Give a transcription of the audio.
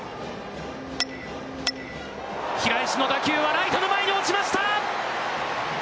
平石の打球はライトの前に落ちました。